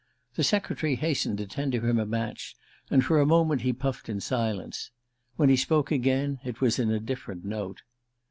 The secretary hastened to tender him a match, and for a moment he puffed in silence. When he spoke again it was in a different note.